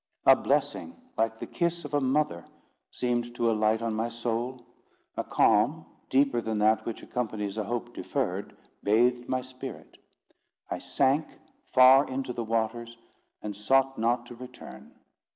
A blessing, like the kiss of a mother, seemed to alight on my soul; a calm, deeper than that which accompanies a hope deferred, bathed my spirit. I sank far into the waters, and sought not to return.